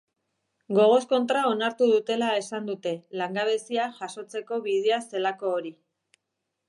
Gogoz kontra onartu dutela esan dute, langabezia jasotzeko bidea zelako hori.